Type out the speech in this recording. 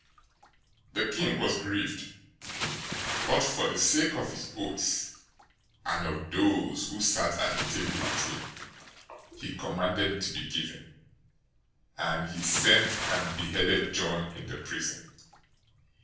014:009 The king was grieved, but for the sake of his oaths, and of those who sat at the table with him, he commanded it to be given, 014:010 and he sent and beheaded John in the prison.